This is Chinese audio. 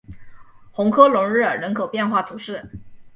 红科隆日人口变化图示